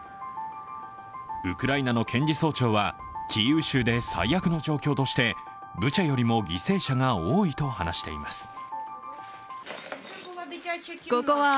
ウクライナの検事総長はキーウ州で最悪の状況として、ブチャよりも犠牲者が多いと話しています。